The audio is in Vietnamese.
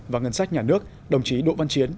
và ngân sách nhà nước đồng chí đỗ văn chiến